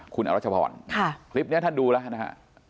คุณอรัชพรคลิปนี้ท่านดูแล้วนะฮะ